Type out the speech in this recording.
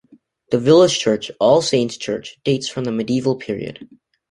The village church, "All Saints' Church", dates from the medieval period.